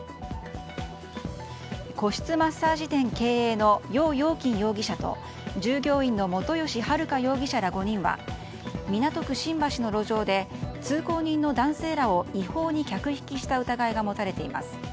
個室マッサージ店経営のヨウ・ヨウキン容疑者と従業員の本吉春霞容疑者ら５人は港区新橋の路上で通行人の男性らを違法に客引きした疑いが持たれています。